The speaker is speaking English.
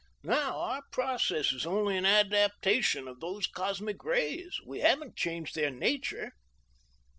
Now, our process is only an adaptation of these cosmic rays. We haven't changed their nature."